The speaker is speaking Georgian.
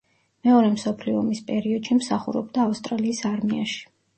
მეორე მსოფლიო ომის პერიოდში მსახურობდა ავსტრალიის არმიაში.